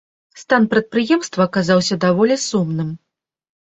Стан прадпрыемства аказаўся даволі сумным.